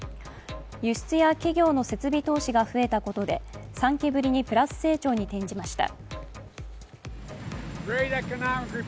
輸出や企業の設備投資が増えたことで３期ぶりにプラス成長に転じました。